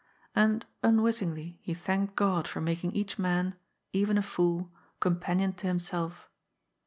And unwittingly he thanked God for making each man — even a fool — companion to himself.